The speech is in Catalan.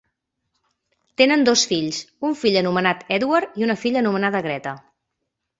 Tenen dos fills, un fill anomenat Edward i una filla anomenada Greta.